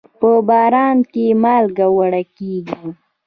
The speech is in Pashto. په باران کې مالګه وړي کېږي.